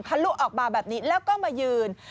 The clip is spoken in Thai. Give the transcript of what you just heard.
ลุออกมาแบบนี้แล้วก็มายืน